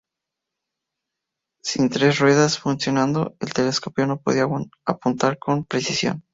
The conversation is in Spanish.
Sin tres ruedas funcionando, el telescopio no podía apuntar con precisión.